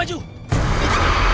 aku mau pergi